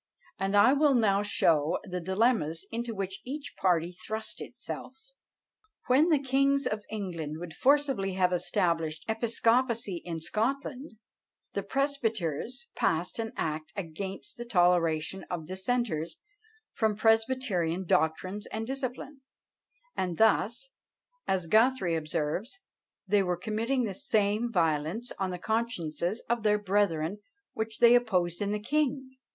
and I will now show the dilemmas into which each party thrust itself. When the kings of England would forcibly have established episcopacy in Scotland, the presbyters passed an act against the toleration of dissenters from presbyterian doctrines and discipline; and thus, as Guthrie observes, they were committing the same violence on the consciences of their brethren which they opposed in the king.